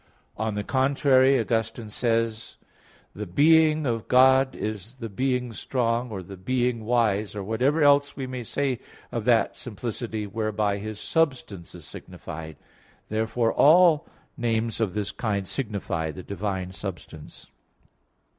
On the contrary, Augustine says (De Trin. vi): "The being of God is the being strong, or the being wise, or whatever else we may say of that simplicity whereby His substance is signified." Therefore all names of this kind signify the divine substance.